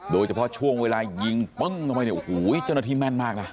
โดยเฉพาะช่วงเวลายิงปึ้งลงไปเนี่ยโอ้โหเจ้าหน้าที่แม่นมากนะ